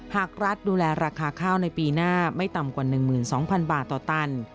หากรัฐดูแลราคาข้าวในปีหน้าไม่ต่ำกว่า๑๒๐๐๐บาทต่อตัน